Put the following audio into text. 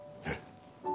えっ！